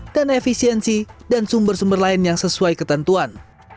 dan efisiensi dan sumber sumber lain yang sesuai ketentuan